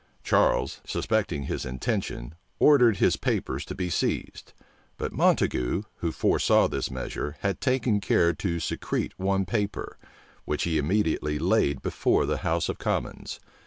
Charles, suspecting his intention, ordered his papers to be seized; but Montague, who foresaw this measure, had taken care to secrete one paper, which he immediately laid before the house of commons.